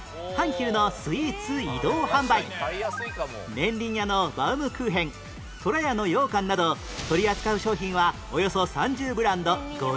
ねんりん家のバウムクーヘンとらやのようかんなど取り扱う商品はおよそ３０ブランド５０種類